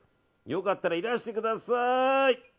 良かったら、いらしてください。